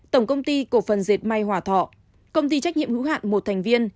tổng công ty cổ phần diệt may hỏa thọ công ty trách nhiệm hữu hạn một thành viên